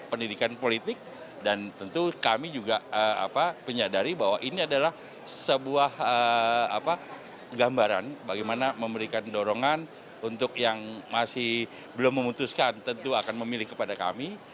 pendidikan politik dan tentu kami juga menyadari bahwa ini adalah sebuah gambaran bagaimana memberikan dorongan untuk yang masih belum memutuskan tentu akan memilih kepada kami